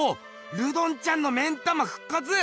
ルドンちゃんの目ん玉ふっかつ！